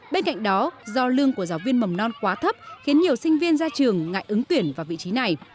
bên cạnh đó do lương của giáo viên mầm non quá thấp khiến nhiều sinh viên ra trường ngại ứng tuyển vào vị trí này